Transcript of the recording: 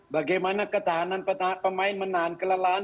bagaimana ketahanan pemain menahan kelelahan